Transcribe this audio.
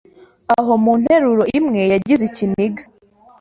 aho mu nteruro imwe yagize ikiniga